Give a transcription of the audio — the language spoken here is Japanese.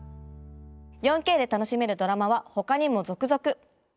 ４Ｋで楽しめるドラマはほかにも続々！